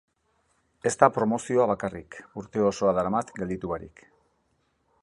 Ez da promozioa bakarrik, urte osoa daramat gelditu barik.